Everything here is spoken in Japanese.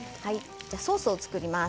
ソースを作ります。